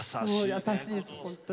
優しいです本当に。